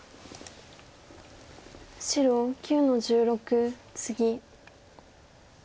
白９の十六ツギ。